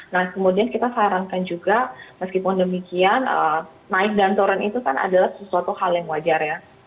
nah kemudian kita sarankan juga meskipun demikian naik dan turun itu kan adalah sesuatu hal yang wajar ya